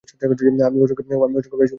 আমি ওর সঙ্গ বেশ উপভোগ করেছিলাম।